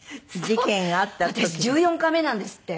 私１４回目なんですって。